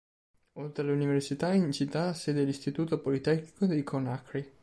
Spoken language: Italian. Oltre all'università, in città ha sede l'Istituto Politecnico di Conakry.